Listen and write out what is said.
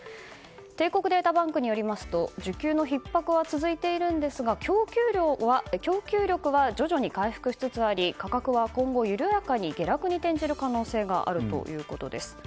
帝国データバンクによりますと需給のひっ迫は続いているんですが供給力は徐々に回復しつつあり価格は今後緩やかに下落に転じる可能性があるということです。